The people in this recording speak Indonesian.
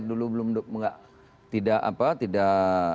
dulu belum tidak